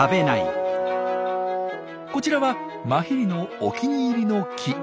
こちらはマヒリのお気に入りの木。